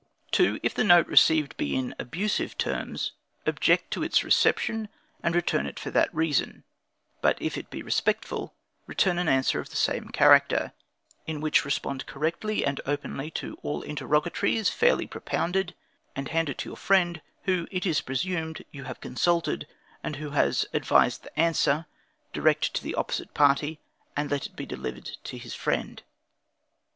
2. If the note received be in abusive terms, object to its reception, and return it for that reason; but if it be respectful, return an answer of the same character, in which respond correctly and openly to all interrogatories fairly propounded, and hand it to your friend, who, it is presumed, you have consulted, and who has advised the answer; direct it to the opposite party, and let it be delivered to his friend.